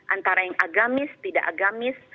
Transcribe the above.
antara yang agamis tidak agamis